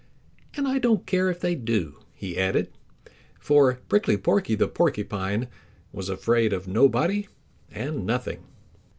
"And I don't care if they do," he added, for Prickly Porky the Porcupine was afraid of nobody and nothing.